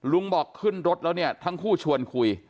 ลุงบอกขึ้นรถแล้วเนี่ยทั้งคู่ชวนคุย